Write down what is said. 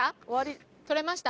撮れました？